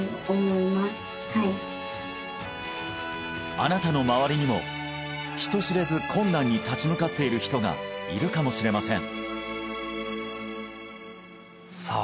あなたの周りにも人知れず困難に立ち向かっている人がいるかもしれませんさあ